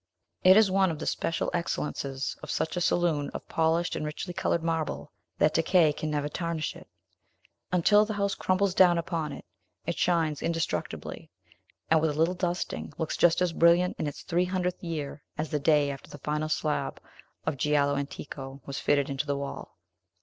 It is one of the special excellences of such a saloon of polished and richly colored marble, that decay can never tarnish it. Until the house crumbles down upon it, it shines indestructibly, and, with a little dusting, looks just as brilliant in its three hundredth year as the day after the final slab of giallo antico was fitted into the wall.